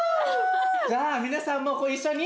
じゃあ皆さんもご一緒に。